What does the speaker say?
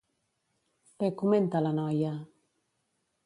Què comenta la noia?